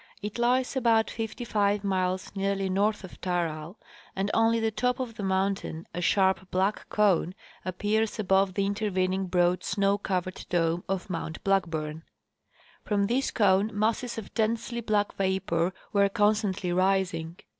It lies about fifty five miles nearly north of Taral, and only the top of the mountain, a sharp black cone, appears above the intervening broad snow covered dome of mount Blackburn. From this cone masses of densely black vapor were constantly rising.